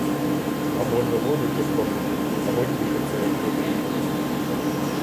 Або заводять, як баби, або тішаться, як божевільні.